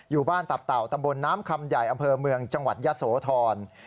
อยู่บ้านตับเต่าตำบลน้ำคำใหญ่อำเภอเมืองจังหวัดยะโสธร